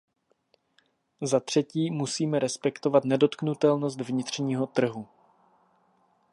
Za třetí, musíme respektovat nedotknutelnost vnitřního trhu.